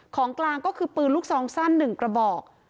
ของกลางก็คือปืนลูกซองสั้น๑กระบอก